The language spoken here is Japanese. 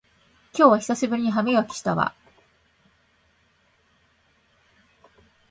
今日久しぶりに歯磨きしたわ